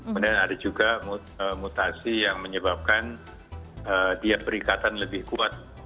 kemudian ada juga mutasi yang menyebabkan dia perikatan lebih kuat